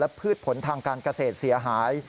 พืชผลทางการเกษตรเสียหาย